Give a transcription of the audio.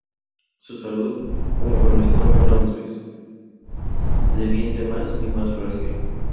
Su salud, como cuando estaba en Londres, deviene más y más frágil.